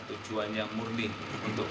tujuan yang murni untuk kepentingan